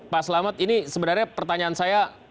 pak selamat ini sebenarnya pertanyaan saya